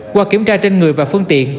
qua kiểm tra trên người và phương tiện